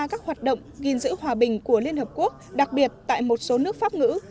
các hoạt động gìn giữ hòa bình của liên hợp quốc đặc biệt tại một số nước pháp ngữ